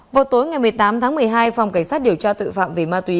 vào tối ngày một mươi tám tháng một mươi hai phòng cảnh sát điều tra tội phạm về ma túy